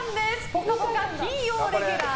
「ぽかぽか」金曜レギュラー。